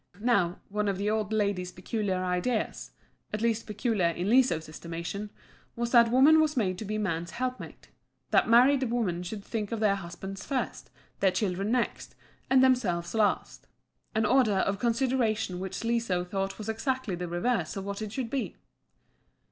Now, one of the old lady's peculiar ideas at least peculiar in Liso's estimation was that woman was made to be man's helpmate, and that married women should think of their husbands first, their children next, and themselves last an order of consideration which Liso thought was exactly the reverse of what it should be.